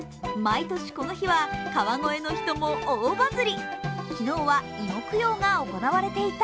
毎年この日は川越の人も大バズり。